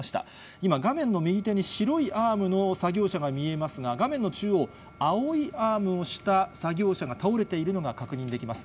今、画面の右手に白いアームの作業車が見えますが、画面の中央、青いアームをした作業車が倒れているのが確認できます。